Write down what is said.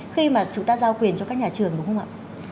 khi mà chúng ta giao quyền cho các nhà trường đúng không ạ